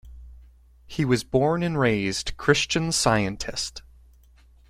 He was born and raised Christian Scientist.